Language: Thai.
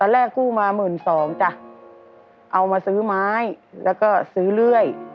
แรกกู้มาหมื่นสองจ้ะเอามาซื้อไม้แล้วก็ซื้อเรื่อย